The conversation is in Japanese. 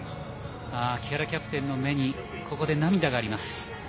木原キャプテンの目に涙があります。